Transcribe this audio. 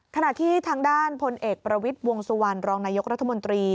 ขณะที่ทางด้านพลเอกประวิทย์วงสุวรรณรองนายกรัฐมนตรี